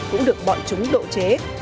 cũng được bọn chúng độ chế